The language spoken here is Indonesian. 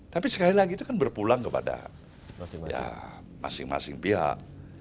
tapi sekali lagi itu kan berpulang kepada masing masing pihak